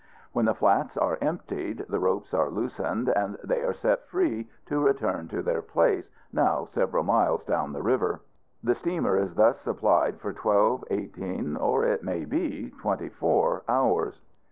When the flats are emptied, the ropes are loosened, and they are set free to return to their place, now several miles down the river. The steamer is thus supplied for twelve, eighteen, or it may be twenty four hours.